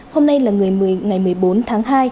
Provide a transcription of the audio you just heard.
hôm nay là ngày một mươi bốn tháng hai